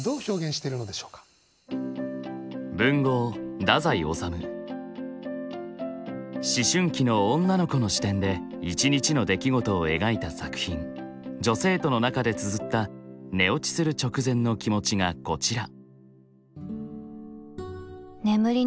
文豪思春期の女の子の視点で１日の出来事を描いた作品「女生徒」の中でつづった寝落ちする直前の気持ちがこちら。